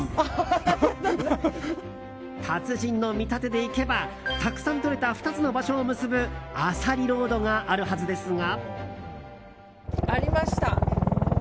達人の見立てでいけばたくさんとれた２つの場所を結ぶアサリロードがあるはずですが。